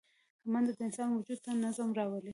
منډه د انسان وجود ته نظم راولي